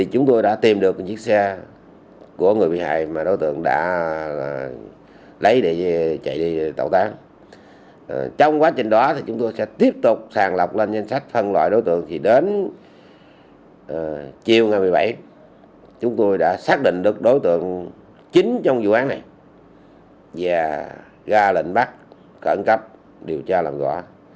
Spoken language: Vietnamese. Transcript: chiều ngày một mươi bảy chúng tôi đã xác định được đối tượng chính trong vụ án này và ra lệnh bắt cẩn cấp điều tra làm rõ